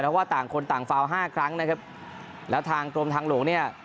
เพราะว่าต่างคนต่างฟาวห้าครั้งนะครับแล้วทางกรมทางหลวงเนี่ย